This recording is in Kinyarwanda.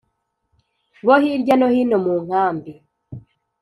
bo hirya no hino mu nkambi